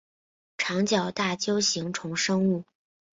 长角大锹形虫生物。